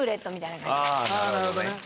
なるほどね。